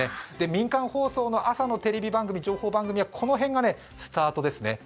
民間放送の朝のテレビ番組情報番組はこの辺がね、スタートですね。